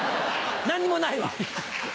何にもないわ！